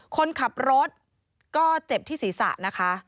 คนขับรถก็เจ็บที่ศีรษะนะคะ